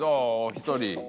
１人。